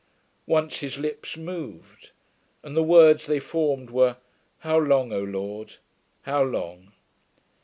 Once his lips moved, and the words they formed were: 'How long, O Lord, how long?'